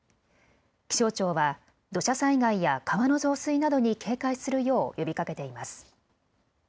気象庁は土砂災害や川の増水などに警戒するよう呼びかけています。